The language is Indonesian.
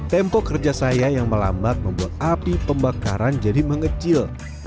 tempo kerja saya yang melambat membuat api pembakaran jadi mengecil